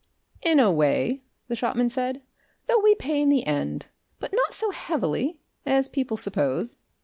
"In a way," the shopman said. "Though we pay in the end. But not so heavily as people suppose....